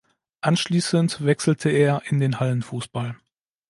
Anschließend wechselte er in den Hallenfußball.